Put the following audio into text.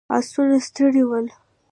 آسونه ستړي ول.